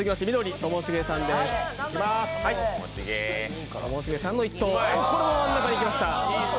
ともしげさんの一投、これも真ん中にいきました。